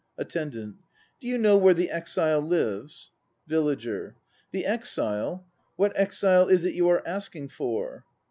ATTENDANT. Do you know where the exile lives? VILLAGER. The exile? What exile is it you are asking for?